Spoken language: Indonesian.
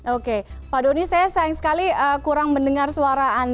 oke pak doni saya sayang sekali kurang mendengar suara anda